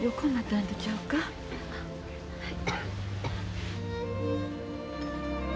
はい。